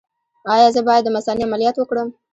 ایا زه باید د مثانې عملیات وکړم؟